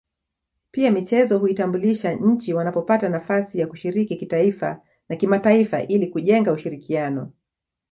Pia michezo huitambulisha nchi wanapopata nafasi ya kushiriki kitaifa na kimataifa ili kujenga ushirikiano